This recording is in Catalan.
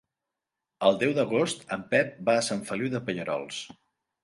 El deu d'agost en Pep va a Sant Feliu de Pallerols.